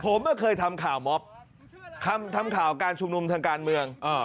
ผมเคยทำข่าวม็อบทำข่าวการชุมนุมทางการเมือง